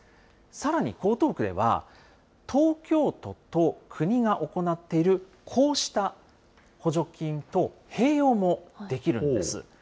さらに江東区では、東京都と国が行っているこうした補助金と併用もできるんです。